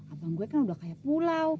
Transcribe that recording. abang gue kan udah kayak pulau